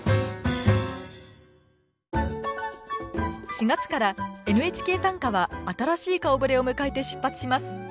４月から「ＮＨＫ短歌」は新しい顔ぶれを迎えて出発します。